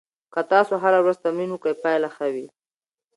که تاسو هره ورځ تمرین وکړئ، پایله ښه وي.